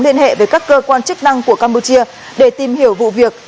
liên hệ với các cơ quan chức năng của campuchia để tìm hiểu vụ việc